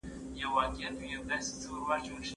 د لويي جرګې غونډه کله پیلیږي؟